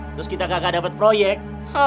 terus kita kakak dapat proyek